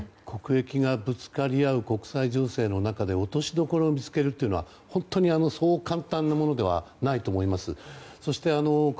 国益がぶつかり合う国際情勢の中で落としどころを見つけるというのは本当に簡単なものではないと思います。